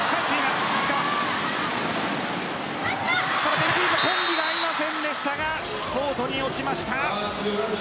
ベルギーのコンビ合いませんでしたがコートに落ちました。